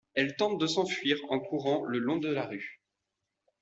Elle tente de s'enfuir en courant le long de la rue.